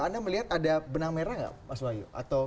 anda melihat ada benang merah nggak mas wahyu